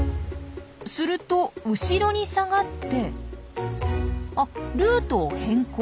すると後ろに下がってあルートを変更。